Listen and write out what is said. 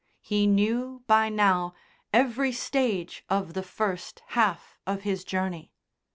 He knew by now every stage of the first half of his journey.